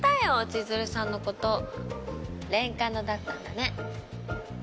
千鶴さんのことレンカノだったんだね